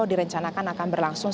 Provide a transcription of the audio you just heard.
direncanakan akan berlangsung